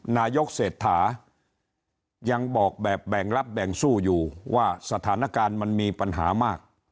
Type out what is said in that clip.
นายกเศรษฐายังบอกแบบแบ่งรับแบ่งสู้อยู่ว่าสถานการณ์มันมีปัญหามาก